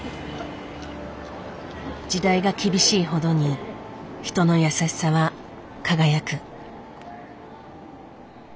時代が厳しいほどに人の優しさは輝く。